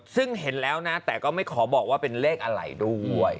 ซึ่งเห็นแล้วนะแต่ก็ไม่ขอบอกว่าเป็นเลขอะไรด้วย